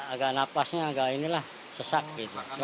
agak napasnya agak inilah sesak gitu